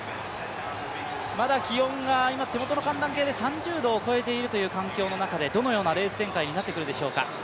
まだ気温が今、手元の寒暖計で３０度を超えている中でどのようなレース展開になってくるんでしょうか。